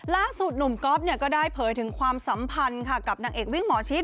ล่าสุดหนุ่มก๊อฟก็ได้เผยถึงความสัมพันธ์ค่ะกับนางเอกวิ่งหมอชิด